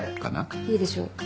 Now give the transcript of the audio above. いいでしょう。